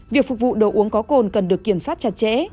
việc phục vụ đồ uống có cồn cần được kiểm soát chặt chẽ